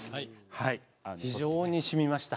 非常にしみました。